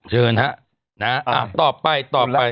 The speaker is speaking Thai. เชิญฮะนะต่อไปตอบไป